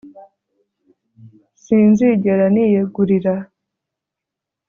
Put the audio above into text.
sinzigera niyegurira